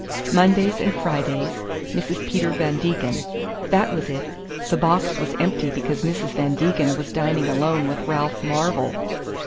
Mondays and Fridays, Mrs. Peter Van Degen. That was it: the box was empty because Mrs. Van Degen was dining alone with Ralph Marvell!